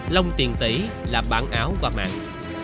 long tiện tỷ là bản áo qua mạng